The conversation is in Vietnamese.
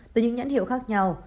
từ những nhãn hiệu khác nhau